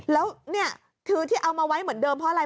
แล้วนี่คือที่เอามาไว้เหมือนเดิมเพราะอะไร